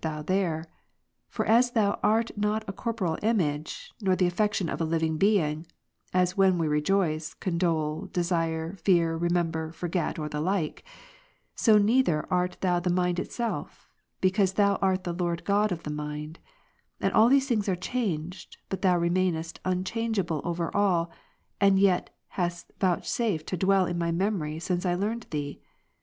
Thou there : for as Thou art not a corporeal image, nor the affection of a living being; (as when we rejoice, condole, desire, fear, remember, forget, or the like ;) so neither art Thou the mind itself; because Thou art the Lord God of the mind ; and all these are changed, but Thou remainest unchangeable over all, and yet hast vouchsafed to dwell in my memory, since I learnt Thee.